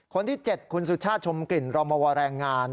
คนที่เจ็ดคุณสุชาชมกลิ่นโรมวอลแรงงาน